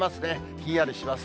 ひんやりします。